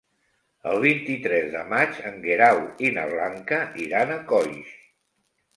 El vint-i-tres de maig en Guerau i na Blanca iran a Coix.